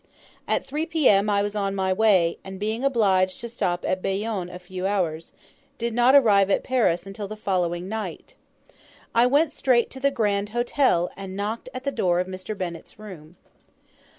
At 3 P.M. I was on my way, and being obliged to stop at Bayonne a few hours, did not arrive at Paris until the following night. I went straight to the 'Grand Hotel,' and knocked at the door of Mr. Bennett's room.